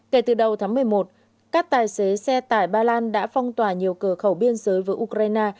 kể từ đầu tháng một mươi một các tài xế xe tải ba lan đã phong tỏa nhiều cửa khẩu biên giới với ukraine